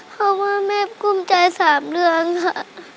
เพราะว่าแม่กุ้มใจ๓เรื่องค่ะ